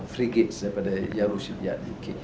dua frigates daripada yarush jadik